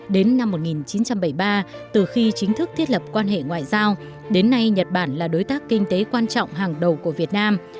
đến năm một nghìn chín trăm bảy mươi ba từ khi chính thức thiết lập quan hệ ngoại giao đến nay nhật bản là đối tác kinh tế quan trọng hàng đầu của việt nam